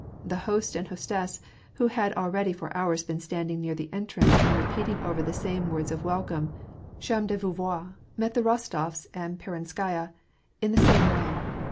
The host and hostess, who had already for hours been standing near the entrance and repeating over the same words of welcome, " Charme de vous voir/' met the Rostofs and Peronskaya in the •, same way.